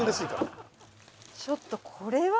「ちょっとこれは？」